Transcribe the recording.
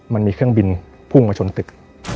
มันมีเครื่องบินพุ่งมาชนตึก